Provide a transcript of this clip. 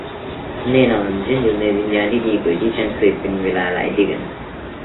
แน่นอนฉันอยู่ในวิญญาณที่ดีกว่าที่ฉันเคยเป็นเวลาหลายเดือน